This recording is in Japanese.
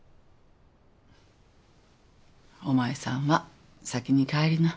お前さんは先に帰りな。